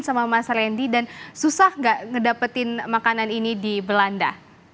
sama mas randy dan susah nggak ngedapetin makanan ini di belanda